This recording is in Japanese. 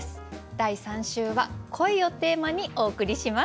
第３週は「恋」をテーマにお送りします。